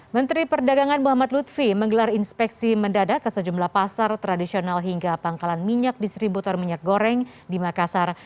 menteri perdagangan muhammad lutfi menggelar inspeksi mendadak ke sejumlah pasar tradisional hingga pangkalan minyak distributor minyak goreng di makassar